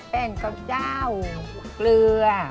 แป้งเกาเจ้าเกลือ